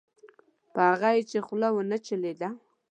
په هغه یې چې خوله ونه چلېده.